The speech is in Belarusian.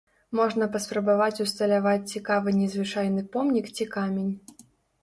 Можна паспрабаваць усталяваць цікавы незвычайны помнік ці камень.